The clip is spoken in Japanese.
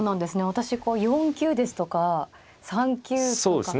私こう４九ですとか３九とか。